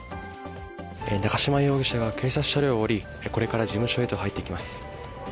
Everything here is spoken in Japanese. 中島容疑者が警察車両を降り、これから事務所へと入っていきます。